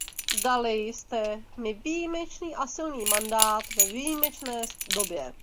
Dali jste mi výjimečný a silný mandát ve výjimečné době.